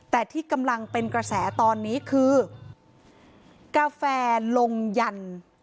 แต่ที่กำลังเป็นกระแสตอนนี้คือกาแฟลงยัน